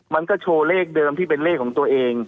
มันก็โชว์เลขเดิมที่เป็นเลขของตัวเอง